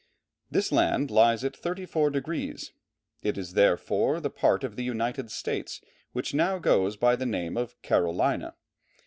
This land lies at 34 degrees. It is therefore the part of the United States which now goes by the name of Carolina.